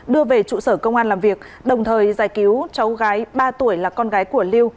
đưa về trụ sở công an làm việc đồng thời giải cứu cháu gái ba tuổi là con gái của lưu